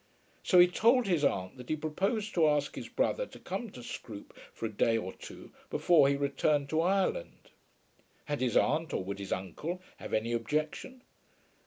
So he told his aunt that he proposed to ask his brother to come to Scroope for a day or two before he returned to Ireland. Had his aunt, or would his uncle have, any objection?